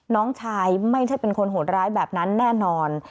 น้องชายไม่ใช่เป็นคนโหดร้ายแบบนั้นแน่นอน